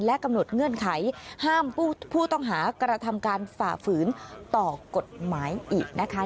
กำหนดเงื่อนไขห้ามผู้ต้องหากระทำการฝ่าฝืนต่อกฎหมายอีกนะคะ